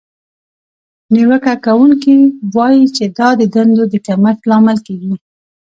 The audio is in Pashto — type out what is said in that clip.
نیوکه کوونکې وایي چې دا د دندو د کمښت لامل کیږي.